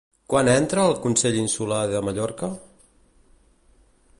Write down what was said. Quan entra al Consell Insular de Mallorca?